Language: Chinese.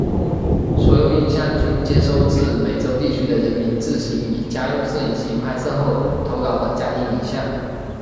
所有影像均接收自美洲地区的人民自行以家用摄影机拍摄后投稿的家庭影像。